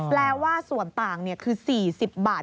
ว่าส่วนต่างคือ๔๐บาท